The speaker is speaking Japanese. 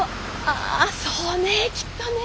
あそうねきっとね。